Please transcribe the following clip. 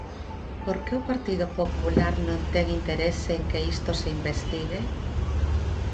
¿Por que o Partido Popular non ten interese en que isto se investigue?